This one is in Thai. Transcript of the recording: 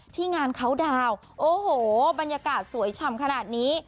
ที่งานเขาดาวน์โอ้โหบรรยากาศสวยฉ่ำขนาดนี้